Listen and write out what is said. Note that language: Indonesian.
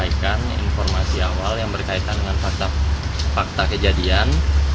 informasi awal yang berkaitan dengan fakta kejadian